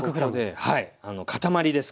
塊です